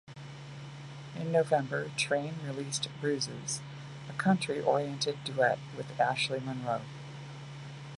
In November, Train released "Bruises", a country-oriented duet with Ashley Monroe.